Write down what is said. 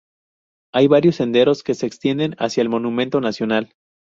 Hay varios senderos que se extienden hacia el monumento nacional.